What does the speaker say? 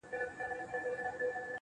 ستا په سترگو کي سندري پيدا کيږي~